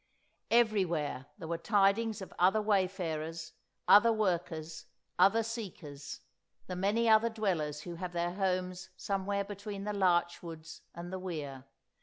Everywhere there were tidings of other wayfarers, other workers, other seekers—the many other dwellers who have their homes somewhere between the larch woods and the weir.